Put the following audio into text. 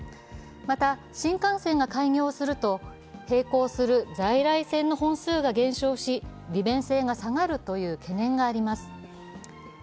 また、新幹線が開業すると並行する在来線の本数が減少し利便性が下がるという懸念があります。